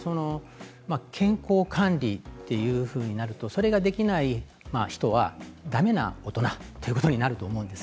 健康管理ということになりますとそれができない人はだめな大人ということになると思うんです。